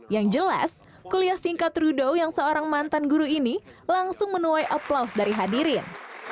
yang jelas kuliah singkat rudo yang seorang mantan guru ini langsung menuai aplaus dari hadirin